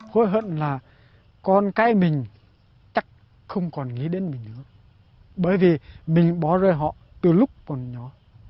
hối hận là con cái mình chắc không còn nghĩ đến mình nữa bởi vì mình bỏ rơi họ từ lúc còn nhỏ